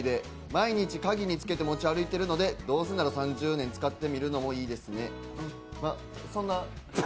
毎日、鍵につけて持ち歩いているのでどうせなら３０年使ってみるのもいいですね。